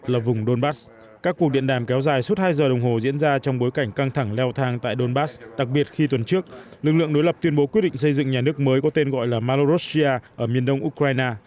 là vùng donbass các cuộc điện đàm kéo dài suốt hai giờ đồng hồ diễn ra trong bối cảnh căng thẳng leo thang tại donbass đặc biệt khi tuần trước lực lượng đối lập tuyên bố quyết định xây dựng nhà nước mới có tên gọi là marosia ở miền đông ukraine